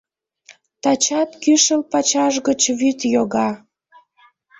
Тачат кӱшыл пачаш гыч вӱд йога.